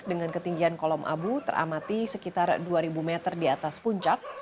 dengan ketinggian kolom abu teramati sekitar dua ribu meter di atas puncak